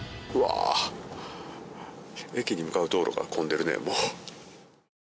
駅に向かう道路が混んでいるね。